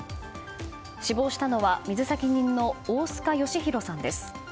死亡したのは水先人の大須賀祥浩さんです。